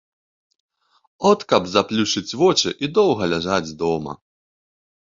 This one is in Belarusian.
От каб заплюшчыць вочы і доўга ляжаць дома.